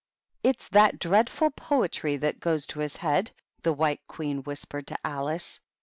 "It's that dreadful poetry that goes to his head," the White Queen whispered to Alice.